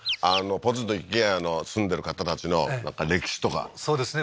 ポツンと一軒家の住んでる方たちの歴史とかそうですね